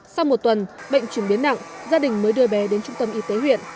sau một tuần bệnh chuyển biến nặng gia đình mới đưa bé đến trung tâm y tế huyện